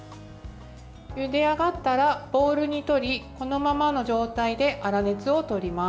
ゆで上がったら、ボウルにとりこのままの状態で粗熱をとります。